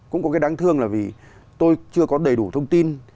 cũng có cái đáng thương là vì tôi chưa có đầy đủ thông tin